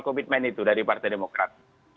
komitmen itu dari partai demokrat